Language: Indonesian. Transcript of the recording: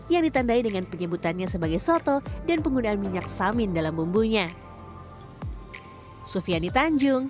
yang ditandai dengan penyebutannya sebagai soto dan penggunaan minyak samin dalam bumbunya